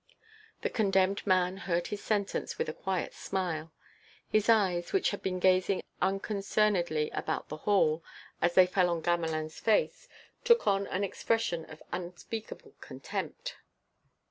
The condemned man heard his sentence with a quiet smile. His eyes, which had been gazing unconcernedly about the hall, as they fell on Gamelin's face, took on an expression of unspeakable contempt.